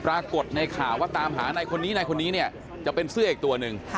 ปรากฏในข่าวว่าตามหาในคนนี้จะเป็นเสื้ออีกตัวนึง